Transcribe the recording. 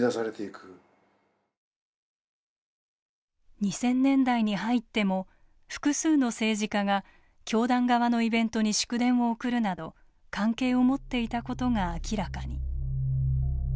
２０００年代に入っても複数の政治家が教団側のイベントに祝電を送るなど関係を持っていたことが明らかに。